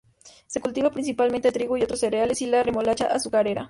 Se cultiva principalmente el trigo y otros cereales, y la remolacha azucarera.